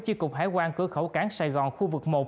chi cục hải quan cửa khẩu cán sài gòn khu vực một